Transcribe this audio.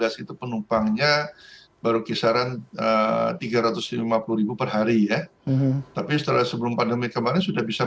penumpangnya baru kisaran tiga ratus lima puluh perhari ya tapi setelah sebelum pandemi kemarin sudah bisa